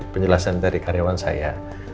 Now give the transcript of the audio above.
penjelasan dari karyawan saya